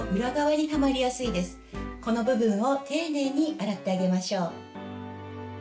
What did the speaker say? この部分を丁寧に洗ってあげましょう。